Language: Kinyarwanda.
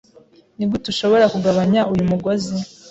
Nigute ushobora kugabanya uyu mugozi?